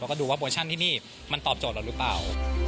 เราก็ดูว่าโปรโมชั่นที่นี่มันตอบโจทย์หรือเปล่า